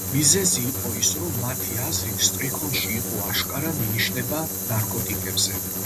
მიზეზი იყო ის, რომ მათი აზრით, სტრიქონში იყო აშკარა მინიშნება ნარკოტიკებზე.